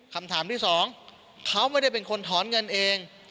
คำถามที่สองเขาไม่ได้เป็นคนถอนเงินเอง